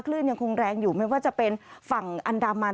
ยังคงแรงอยู่ไม่ว่าจะเป็นฝั่งอันดามัน